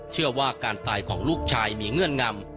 เชื่อว่าการตายของลูกชายมีเงื่อนงำ